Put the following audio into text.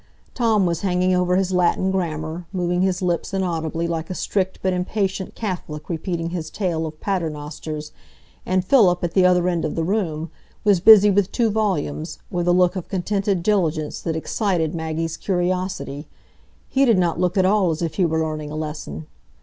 Tom was hanging over his Latin grammar, moving his lips inaudibly like a strict but impatient Catholic repeating his tale of paternosters; and Philip, at the other end of the room, was busy with two volumes, with a look of contented diligence that excited Maggie's curiosity; he did not look at all as if he were learning a lesson.